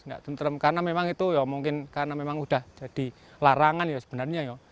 nggak tentrem karena memang itu ya mungkin karena memang udah jadi larangan ya sebenarnya ya